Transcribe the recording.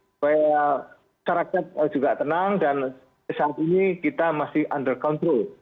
supaya syarakat juga tenang dan saat ini kita masih under control